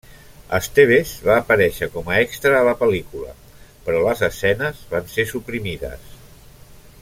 Estévez va aparèixer com a extra a la pel·lícula, però les escenes van ser suprimides.